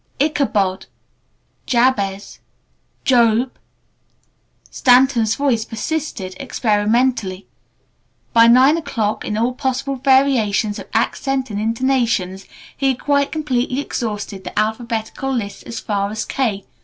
"Ichabod Jabez Joab," Stanton's voice persisted, experimentally. By nine o'clock, in all possible variations of accent and intonation, he had quite completely exhausted the alphabetical list as far as "K."